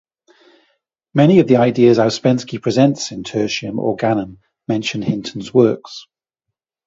Many of ideas Ouspensky presents in "Tertium Organum" mention Hinton's works.